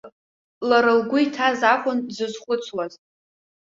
Лара лгәы иҭаз акәын дзызхәыцуаз.